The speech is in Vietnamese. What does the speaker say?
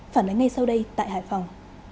phản ánh ngay sau đây tại hải phòng